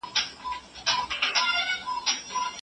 کیسه د ماشومانو د علاقې له یوې نقطې پیلېږي.